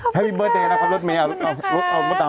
ฮัยบี้เบิ้ลเตย์นะครับมั้ยอะเอาเอามาตาม